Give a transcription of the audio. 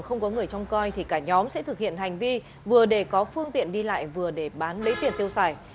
nếu không có người trông coi thì cả nhóm sẽ thực hiện hành vi vừa để có phương tiện đi lại vừa để bán lấy tiền tiêu xài